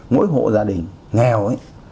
mỗi hộ gia đình nghèo